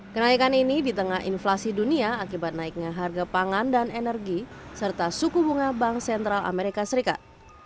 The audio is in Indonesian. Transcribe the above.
kenaikan ini di tengah inflasi dunia akibat naiknya harga pangan dan energi serta suku bunga bank sentral amerika serikat